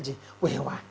thì quể hoài